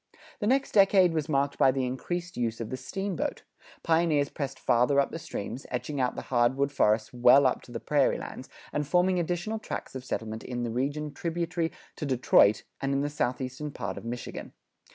The next decade was marked by the increased use of the steamboat; pioneers pressed farther up the streams, etching out the hard wood forests well up to the prairie lands, and forming additional tracts of settlement in the region tributary to Detroit and in the southeastern part of Michigan.